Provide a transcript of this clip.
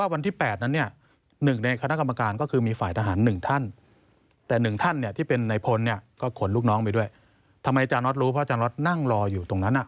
ไม่จาน็อตรู้เพราะจาน็อตรู้นั่งรออยู่ตรงนั้นน่ะ